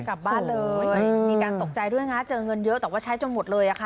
กลับบ้านเลยมีการตกใจด้วยนะเจอเงินเยอะแต่ว่าใช้จนหมดเลยอะค่ะ